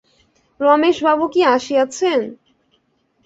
রমেশবাবু কি আসিয়াছেন?